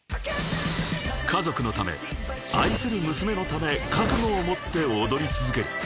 ［家族のため愛する娘のため覚悟を持って踊り続ける］